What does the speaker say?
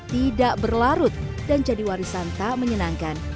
tidak berlarut dan jadi warisan tak menyenangkan